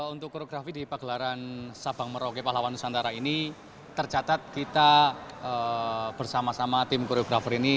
untuk koreografi di pagelaran sabang merauke pahlawan nusantara ini tercatat kita bersama sama tim koreografer ini